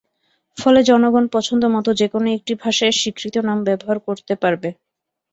ফলে জনগণ পছন্দমতো যেকোনো একটি ভাষায় স্বীকৃত নাম ব্যবহার করতে পারবে।